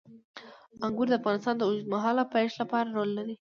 انګور د افغانستان د اوږدمهاله پایښت لپاره رول لري.